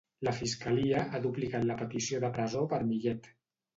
La fiscalia ha duplicat la petició de presó per Millet.